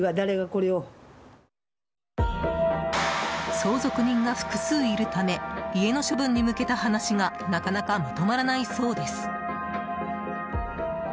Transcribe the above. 相続人が複数いるため家の処分に向けた話がなかなかまとまらないそうです。